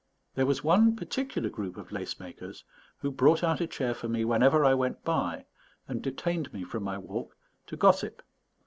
There was one particular group of lace makers who brought out a chair for me whenever I went by, and detained me from my walk to gossip.